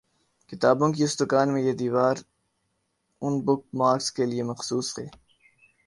کتابوں کی اس دکان میں یہ دیوار اُن بک مارکس کےلیے مخصوص ہے